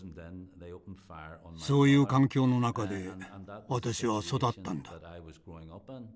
そういう環境の中で私は育ったんだ。